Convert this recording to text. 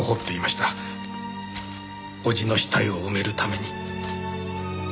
叔父の死体を埋めるために。